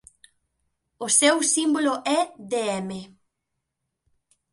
O seu símbolo é dm.